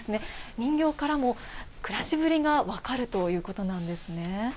人形からも暮らしぶりが分かるということなんですね。